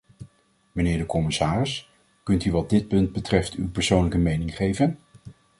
Mijnheer de commissaris, kunt u wat dit punt betreft uw persoonlijke mening geven?